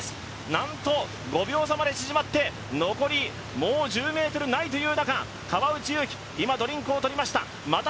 なんと、５秒差まで縮まって、残りもう１０ｍないという中、川内優輝、今、ドリンクを取りました。